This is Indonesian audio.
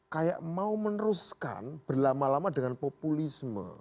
kayak mau meneruskan berlama lama dengan populisme